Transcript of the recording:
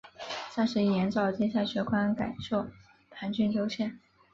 三十一年诏天下学官改授旁郡州县。